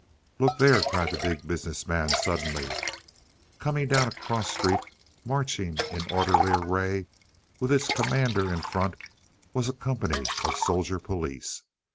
"Look there," cried the Big Business Man suddenly. Coming down a cross street, marching in orderly array with its commander in front, was a company of soldier police.